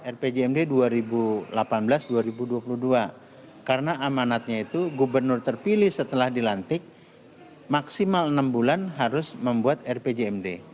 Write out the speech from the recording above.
rpjmd dua ribu delapan belas dua ribu dua puluh dua karena amanatnya itu gubernur terpilih setelah dilantik maksimal enam bulan harus membuat rpjmd